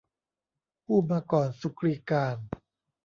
ผู้มาก่อนสุกรีกาล